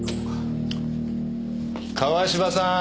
川芝さーん。